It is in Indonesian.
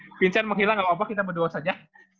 maksudnya vincent mau hilang nggak apa apa kita berdua saja